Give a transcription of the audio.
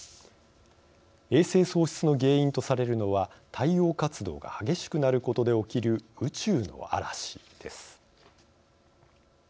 衛星喪失の原因とされるのは太陽活動が激しくなることで起きる「宇宙の嵐」です。